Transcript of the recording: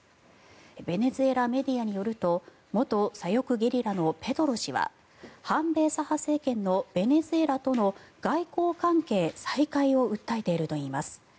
ベネズエラメディアによると元左翼ゲリラのペトロ氏は反米左派政権のベネズエラとの外交関係再開を訴えているといいます。